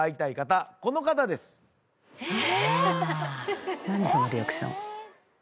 何そのリアクション。